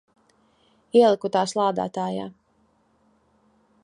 Ieliku tās lādētājā.